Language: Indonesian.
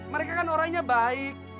mereka kan orangnya baik